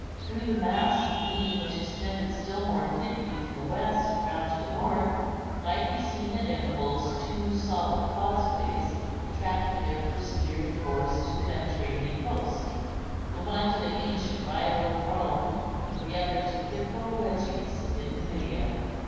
Through the mass of green, which extended still more thickly from the west round to the north, might be seen at intervals two solid causeways tracking their persevering course to the Mediterranean coast, the one to the ancient rival of Rome, the other to Hippo Regius in Numidia.